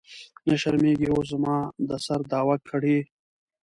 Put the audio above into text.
نه شرمېږې اوس زما د سر دعوه کړې.